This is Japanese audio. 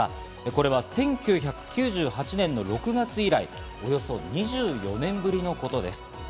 これは１９９８年の６月以来、およそ２４年ぶりのことです。